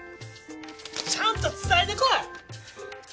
ちゃんと伝えてこい！